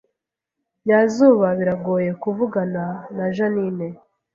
Nyazuba biragoye kuvugana na Jeaninne